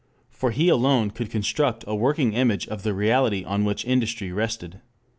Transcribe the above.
For he alone could construct a working image of the reality on which industry rested.